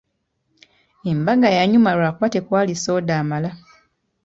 Embaga yanyuma lwakuba tekwali soda amala.